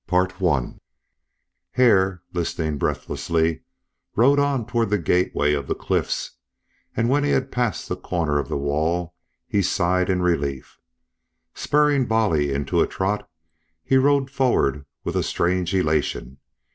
UNLEASHED HARE, listening breathlessly, rode on toward the gateway of the cliffs, and when he had passed the corner of the wall he sighed in relief. Spurring Bolly into a trot he rode forward with a strange elation.